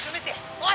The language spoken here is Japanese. おい！